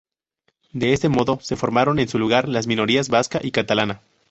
De este modo, se formaron en su lugar las minorías vasca y catalana.